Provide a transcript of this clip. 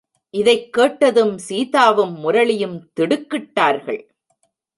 இதைக் கேட்டதும் சீதாவும் முரளியும் திடுக்கிட்டார்கள்.